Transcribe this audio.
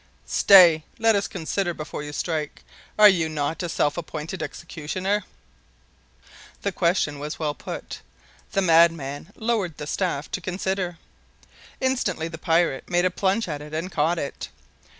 "Stay! Let us consider before you strike. Are you not a self appointed executioner?" The question was well put. The madman lowered the staff to consider. Instantly the pirate made a plunge at and caught it.